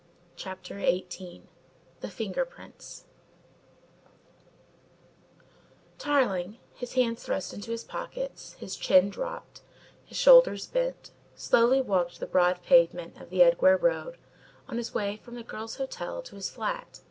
CHAPTER XVIII THE FINGER PRINTS Tarling, his hands thrust into his pockets, his chin dropped, his shoulders bent, slowly walked the broad pavement of the Edgware Road on his way from the girl's hotel to his flat.